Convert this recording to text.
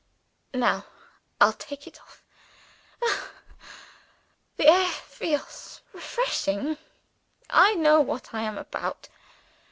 Now I'll take it off. Ha! the air feels refreshing; I know what I am about.